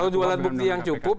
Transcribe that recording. dua alat bukti yang cukup